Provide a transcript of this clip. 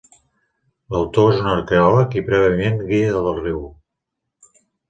L'autor és un arqueòleg i prèviament guia del riu.